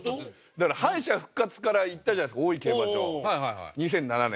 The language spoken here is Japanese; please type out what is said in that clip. だから敗者復活からいったじゃないですか大井競馬場２００７年。